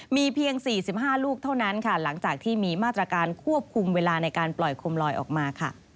มีเพียง๔๕ลูกเท่านั้นค่ะหลังจากที่มีมาตรการควบคุมเวลาในการปล่อยโคมลอยออกมาค่ะ